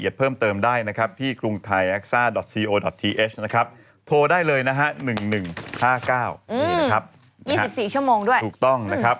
ขนาดที่รอรถจะเดินทางกลับ